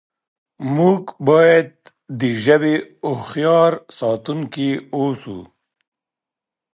موږ باید د ژبې هوښیار ساتونکي اوسو.